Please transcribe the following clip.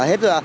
ờ hết rồi ạ